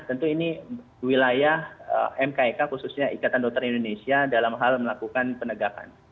tentu ini wilayah mkek khususnya ikatan dokter indonesia dalam hal melakukan penegakan